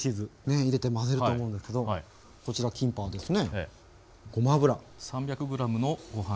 ねえ入れて混ぜると思うんですけどこちらキムパはですねごま油。